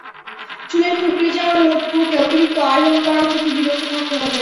চুলের কুঁকড়ে যাওয়া রোধ করতে অতিরিক্ত আয়রন করা থেকে বিরত থাকতে হবে।